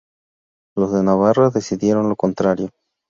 Los de Navarra decidieron lo contrario.